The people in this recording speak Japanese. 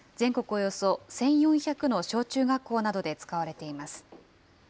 およそ１４００の小中学校などで使われています。